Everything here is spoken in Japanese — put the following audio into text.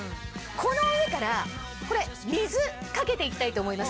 この上からこれ水かけていきたいと思います。